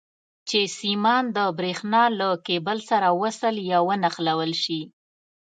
چې سیمان د برېښنا له کیبل سره وصل یا ونښلول شي.